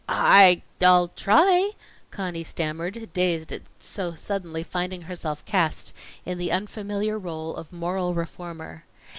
"I I'll try," Conny stammered, dazed at so suddenly finding herself cast in the unfamiliar rôle of moral reformer.